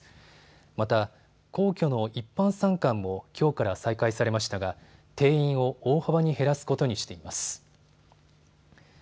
また、皇居の一般参観もきょうから再開されましたが定員を大幅に減らすことにしています。